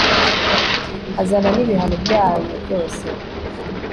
azana nibihano byayo byose…